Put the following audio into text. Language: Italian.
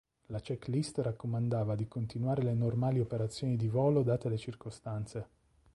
La checklist raccomandava di continuare le normali operazioni di volo date le circostanze.